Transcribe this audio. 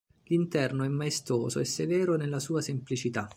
L'interno è maestoso e severo nella sua semplicità.